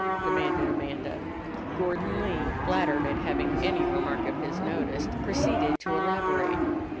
demanded Amanda. Gordon Lee, flattered at having any remark of his noticed, proceeded to elaborate.